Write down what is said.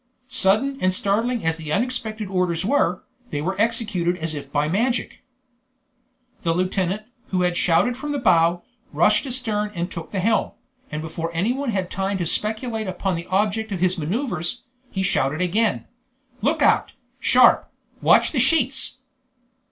Sudden and startling as the unexpected orders were, they were executed as if by magic. The lieutenant, who had shouted from the bow, rushed astern and took the helm, and before anyone had time to speculate upon the object of his maneuvers, he shouted again, "Look out! sharp! watch the sheets!"